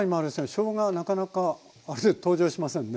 しょうがなかなか登場しませんね。